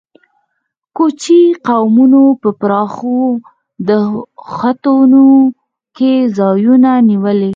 کوچي قومونو په پراخو دښتونو کې ځایونه نیولي.